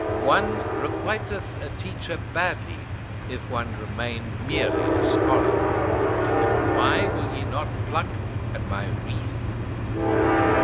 One requiteth a teacher badly if one remain merely a scholar. And why will ye not pluck at my wreath?